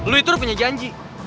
lo itu udah punya janji